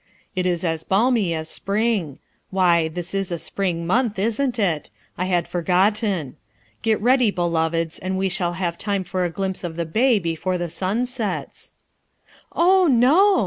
It is as balmy as spring, "Why, this is a spring month, isn't it? I had forgotten. Get ready, beloveds, and we shall 328 RUTH ERSKINE'S SON have time for a glimpse of the bay before i\ sun sets." "Oh, no!"